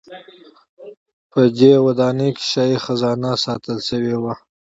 په دې ودانۍ کې شاهي خزانه ساتل شوې وه.